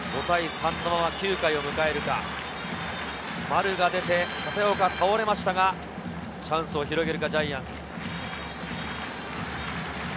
５対３のまま９回を迎えるか、丸が出て立岡倒れましたが、チャンスを広げるかジャイアンツ。